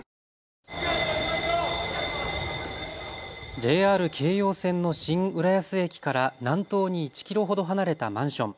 ＪＲ京葉線の新浦安駅から南東に１キロほど離れたマンション。